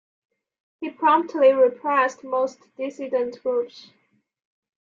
He promptly repressed most dissident groups.